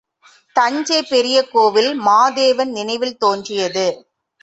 தஞ்சைப் பெரிய கோவில் மாதேவன் நினைவில் தோன்றியது.